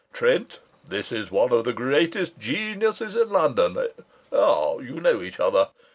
Trent, this is one of the greatest geniuses in London.... Ah! You know each other?